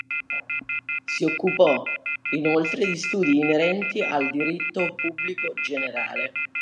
Si occupò, inoltre di studi inerenti al diritto pubblico generale.